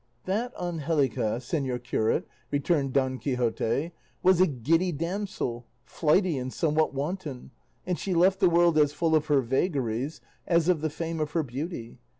"That Angelica, señor curate," returned Don Quixote, "was a giddy damsel, flighty and somewhat wanton, and she left the world as full of her vagaries as of the fame of her beauty.